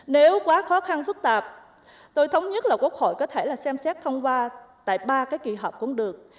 nếu quá khó khăn phức tạp tôi thống nhất là quốc hội có thể là xem xét thông qua tại ba cái kỳ họp cũng được